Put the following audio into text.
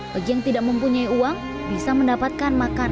bagi yang tidak mempunyai uang bisa mendapatkan makanan